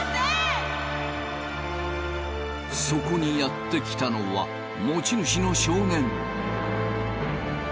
そこにやって来たのは持ち主の少年。